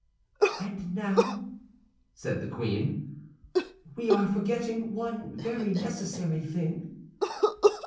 "And now," said the queen, "we are forgetting one very necessary thing."